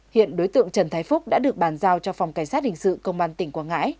hiện đối tượng trần thái phúc đã được bàn giao cho phòng cảnh sát hình sự công an tỉnh quảng ngãi